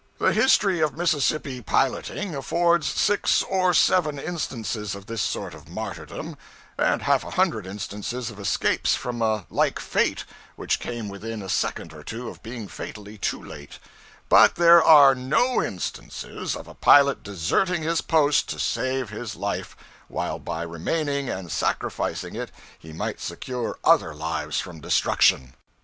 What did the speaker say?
The history of Mississippi piloting affords six or seven instances of this sort of martyrdom, and half a hundred instances of escapes from a like fate which came within a second or two of being fatally too late; _but there is no instance of a pilot deserting his post to save his life while by remaining and sacrificing it he might secure other lives from destruction.